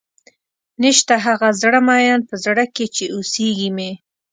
نيشته هغه زړۀ ميئن پۀ زړۀ کښې چې اوسېږي مې